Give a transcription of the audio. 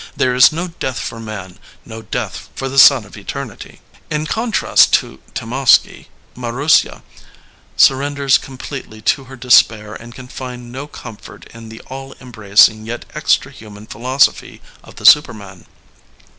There is no death for man, no death for the son of eternity." In contrast to Temovsky, Marussya surrenders completely to her despair and can find no comfort in the all embracing, yet extra human philosophy of the superman.